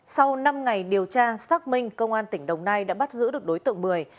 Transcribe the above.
sau năm ngày điều tra xác minh công an tỉnh đồng nai đã bắt giữ được đối tượng mười